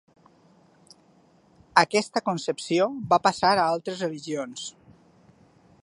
Aquesta concepció va passar a altres religions.